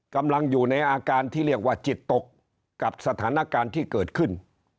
กำลังอยู่ในอาการที่เรียกว่าจิตตกกับสถานการณ์ที่เกิดขึ้น